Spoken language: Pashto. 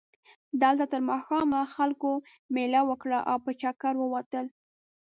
دلته تر ماښامه خلکو مېله وکړه او په چکر ووتل.